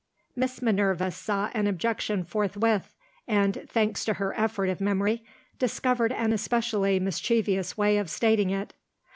Miss Minerva saw an objection forthwith, and, thanks to her effort of memory, discovered an especially mischievous way of stating it.